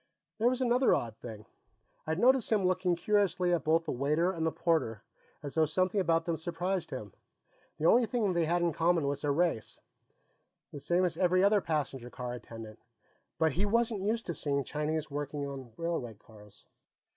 There was another odd thing. I'd noticed him looking curiously at both the waiter and the porter, as though something about them surprised him. The only thing they had in common was their race, the same as every other passenger car attendant. But he wasn't used to seeing Chinese working in railway cars.